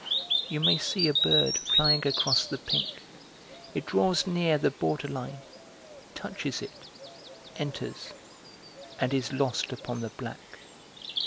You may see a bird flying across the pink; it draws near the border line, touches it, enters and is lost upon the black.